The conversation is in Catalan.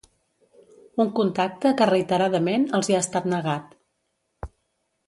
Un contacte que reiteradament els hi ha estat negat.